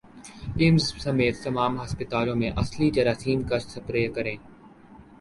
پمز سمیت تمام ھسپتالوں میں اصلی جراثیم کش سپرے کریں